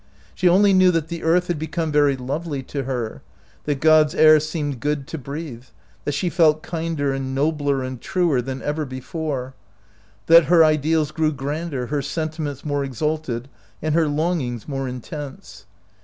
She only knew that the earth had be come very lovely to her, that God's air seemed good to breathe, that she felt kinder and nobler and truer than ever before, that her ideals grew grander, her sentiments more exalted, and her longings more intense.